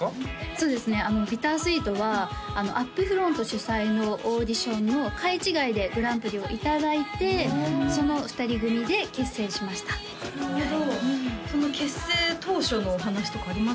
そうですねＢｉｔｔｅｒ＆ＳｗｅｅｔはＵＰ−ＦＲＯＮＴ主催のオーディションの回違いでグランプリをいただいてその２人組で結成しましたなるほどその結成当初のお話とかありますか？